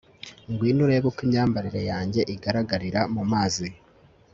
ngwino urebe uko imyambarire yanjye igaragarira mumazi